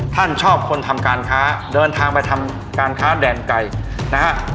ชอบคนทำการค้าเดินทางไปทำการค้าแดนไก่นะฮะ